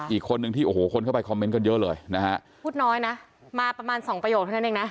อีกคนนึงที่โอ้โหคนเข้าไปคอมเมนต์กันเยอะเลยนะฮะพูดน้อยนะมาประมาณสองประโยคเท่านั้นเองนะ